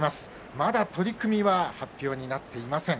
まだ取組、発表になっていません。